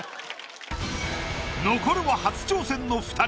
残るは初挑戦の二人。